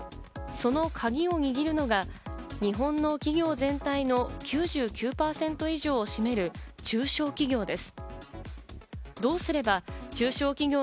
そのカギを握るのが日本の企業全体の９９％以上を占める中小企業です。